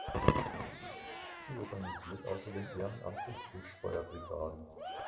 Sie organisiert außerdem ehrenamtliche Buschfeuer Brigaden.